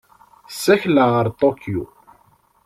Ssakleɣ ɣer Tokyo.